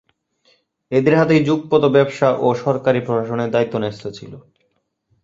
এদের হাতেই যুগপৎ ব্যবসা ও সরকারি প্রশাসনের দায়িত্ব ন্যস্ত ছিল।